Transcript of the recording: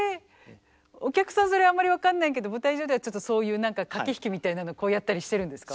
お客さんそれあんまり分かんないけど舞台上ではちょっとそういう何か駆け引きみたいなのやったりしてるんですか？